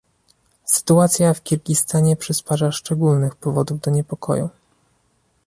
Sytuacja w Kirgistanie przysparza szczególnych powodów do niepokoju